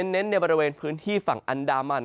เน้นในบริเวณพื้นที่ฝั่งอันดามัน